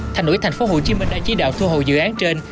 thành ủy thành phố hồ chí minh đã chỉ đạo thu hồ dự án trên